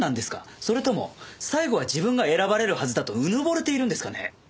それとも最後は自分が選ばれるはずだとうぬぼれているんですかね？